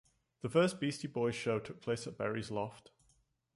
The first Beastie Boys show took place at Berry's loft.